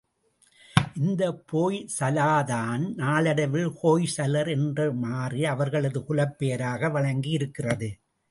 இந்தப் போய் சாலாதான் நாளடைவில் ஹோய்சலர் என்று மாறி அவர்களது குலப் பெயராக வழங்கியிருக்கிறது.